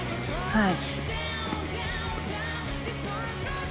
はい？